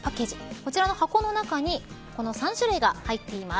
こちらの箱の中にこの３種類が入っています。